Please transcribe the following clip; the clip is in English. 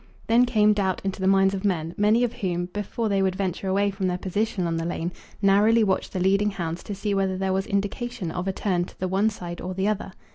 Then came doubt into the minds of men, many of whom, before they would venture away from their position on the lane, narrowly watched the leading hounds to see whether there was indication of a turn to the one side or the other.